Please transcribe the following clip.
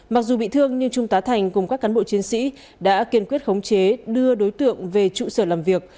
mặc dù bị thương nhưng trung tá thành cùng các cán bộ chiến sĩ đã kiên quyết khống chế đưa đối tượng về trụ sở làm việc